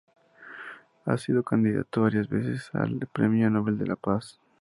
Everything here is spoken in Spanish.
Ha sido candidato varias veces al Premio Nobel de la Paz.